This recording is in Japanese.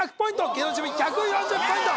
芸能人チーム１４０ポイント